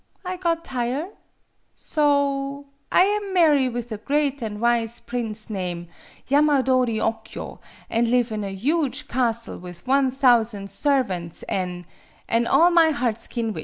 I got tire'. So lam marry with a great an' wise prince name' Yamadori Okyo, an' live in a huge castle with one thousan' servants, an' an' all my hearts kin wish!